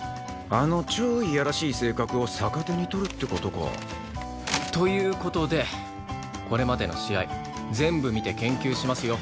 あの超いやらしい性格を逆手に取るって事か。という事でこれまでの試合全部見て研究しますよ。